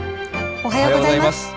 おはようございます。